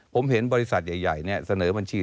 ผมเห็นบริษัทใหญ่เสนอบัญชี